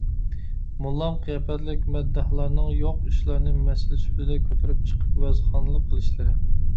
موللام قىياپەتلىك مەدداھلارنىڭ يوق ئىشلارنى مەسىلە سۈپىتىدە كۆتۈرۈپ چىقىپ ۋەزخانلىق قىلىشلىرى